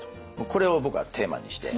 これを僕はテーマにして。